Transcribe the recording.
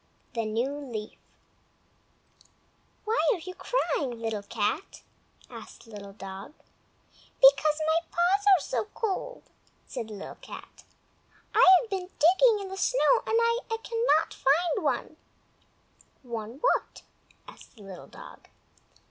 THE NEW LEAF "Why are you crying, Little Cat?" asked Little Dog. "Because my paws are so cold!" said Little Cat. "I have been digging in the snow and I cannot find one." "One what?" asked Little Dog.